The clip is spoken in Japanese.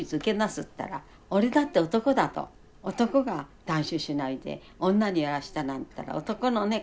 つったら「俺だって男だ」と「男が断種しないで女にやらしたなんていったら男のね